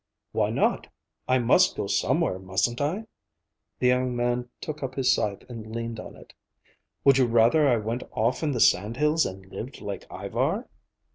"Why not? I must go somewhere, mustn't I?" The young man took up his scythe and leaned on it. "Would you rather I went off in the sand hills and lived like Ivar?"